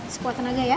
sepuatan aja ya